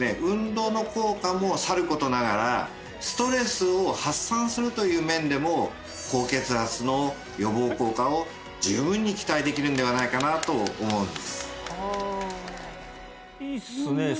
運動の効果もさることながらストレスを発散するという面でも高血圧の予防効果を十分に期待できるんではないかなと思うんですいいっすね